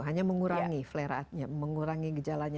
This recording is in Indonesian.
hanya mengurangi fleraatnya mengurangi gejalanya